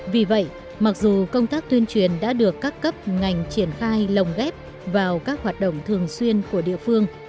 vì vậy mặc dù công tác tuyên truyền đã được các cấp ngành triển khai lồng ghép vào các hoạt động thường xuyên của địa phương